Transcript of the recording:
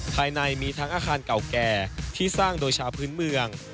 ภายในมีทั้งอาคารเก่าแก่ที่สร้างโดยชาวพื้นเมือง